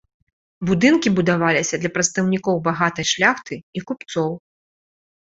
Будынкі будаваліся для прадстаўнікоў багатай шляхты і купцоў.